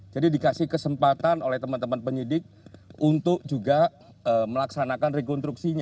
jadi dikasih kesempatan oleh teman teman penyidik untuk juga melaksanakan rekonstruksinya